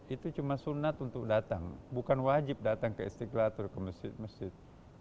itu cuma sunat untuk datang bukan wajib datang ke istiqlal atau ke masjid masjid